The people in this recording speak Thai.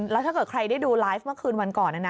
แล้วถ้าเกิดใครได้ดูไลฟ์เมื่อคืนวันก่อนนะนะ